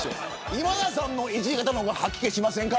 今田さんのいじりの方が吐き気しませんか。